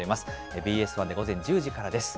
ＢＳ１で午前１０時からです。